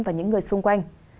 và những người xung quanh